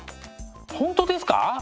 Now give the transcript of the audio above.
本当ですか？